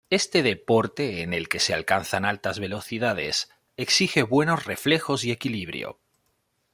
Este deporte en el que se alcanzan altas velocidades, exige buenos reflejos y equilibrio.